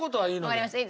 わかりました。